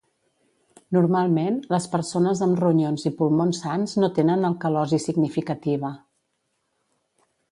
Normalment, les persones amb ronyons i pulmons sans no tenen alcalosi significativa.